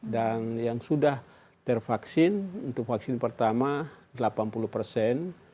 dan yang sudah tervaksin untuk vaksin pertama delapan puluh persen